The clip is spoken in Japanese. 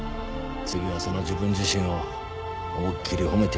次はその自分自身を思いっ切り褒めてやれ。